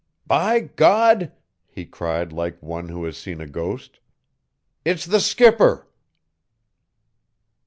"By God," he cried like one who has seen a ghost, "it's the skipper."